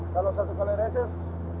kalau satu kali reses